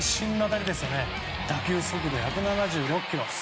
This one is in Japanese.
打球速度１７６キロ。